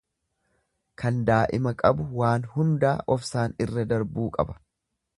Kan daa'ima qabu waan hundaa obsaan irra darbuu qaba.